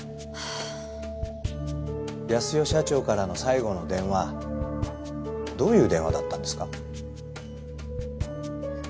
康代社長からの最後の電話どういう電話だったんですか？